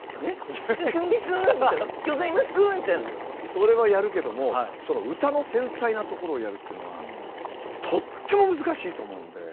それはやるけどもその歌の繊細なところをやるっていうのはとっても難しいと思うんで。